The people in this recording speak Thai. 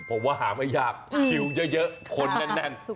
ผมว่าหาไม่ยากชิวเยอะคนแน่น